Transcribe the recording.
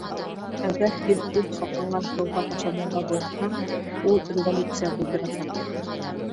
Әгәр һин үҙ халҡыңа һыуға ташланырға бойорһаң, ул революция булдырасаҡ.